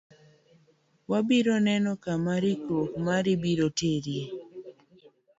Wabiro neno kama rikruok mari biro terie.